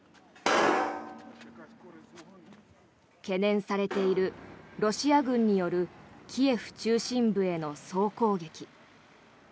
懸念されているロシア軍によるキエフ中心部への総攻撃。